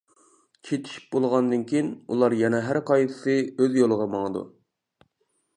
چېتىشىپ بولغاندىن كېيىن، ئۇلار يەنە ھەرقايسىسى ئۆز يولىغا ماڭىدۇ.